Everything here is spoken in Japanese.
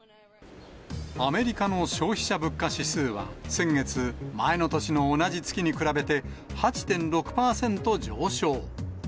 アメリカの消費者物価指数は先月、前の年の同じ月に比べて、８．６％上昇。